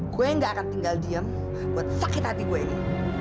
gue gak akan tinggal diem buat sakit hati gue ini